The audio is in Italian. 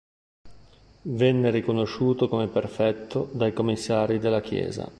Venne riconosciuto come "perfetto" dai commissari della chiesa.